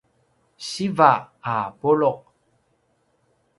siva a pulu’